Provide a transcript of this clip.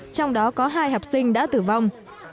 trong đó có hai học sinh đã tử vong